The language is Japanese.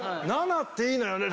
７っていいのよね。